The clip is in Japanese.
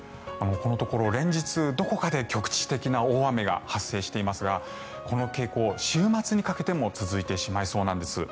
連日どこかで局地的に大雨が発生していますがこの傾向、週末にかけても続いてしまいそうなんです。